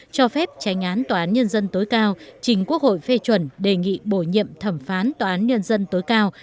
cho phép trái ngán tòa án nhân dân tối cao chính quốc hội phê chuẩn đề nghị bổ nhiệm thẩm phán tòa án nhân dân tối cao